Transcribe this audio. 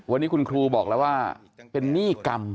วันนี้คุณครูบอกแล้วว่าเป็นหนี้กรรม